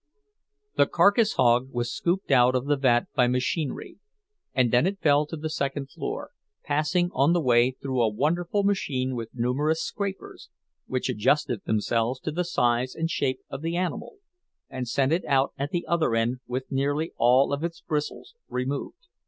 The carcass hog was scooped out of the vat by machinery, and then it fell to the second floor, passing on the way through a wonderful machine with numerous scrapers, which adjusted themselves to the size and shape of the animal, and sent it out at the other end with nearly all of its bristles removed.